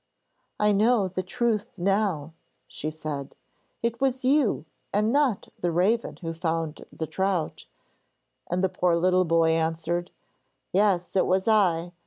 'I know the truth now,' she said. 'It was you and not the raven who found the trout,' and the poor little boy answered: 'Yes; it was I.